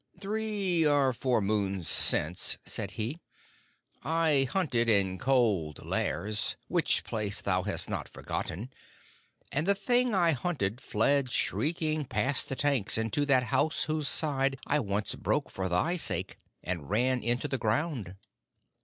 "Three or four moons since," said he, "I hunted in Cold Lairs, which place thou hast not forgotten. And the thing I hunted fled shrieking past the tanks and to that house whose side I once broke for thy sake, and ran into the ground."